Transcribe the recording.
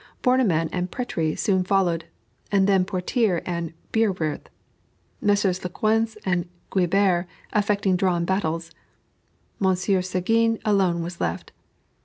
Bornemann and Préti soon followed, and then Potier and Bierwirth; Messrs. Lequesne and Guibert effecting drawn battles; Monsieur Seguin alone was left.